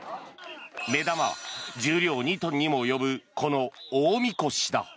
目玉は重量２トンにも及ぶこの大みこしだ。